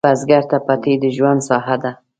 بزګر ته پټی د ژوند ساحه ده